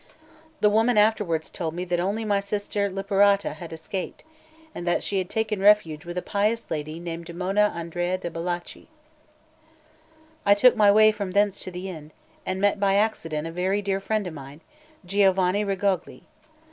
The woman afterwards told me that only my sister Liperata had escaped, and that she had taken refuge with a pious lady named Mona Andrea de' Bellacci. 6 I took my way from thence to the inn, and met by accident a very dear friend of mine, Giovanni Rigogli.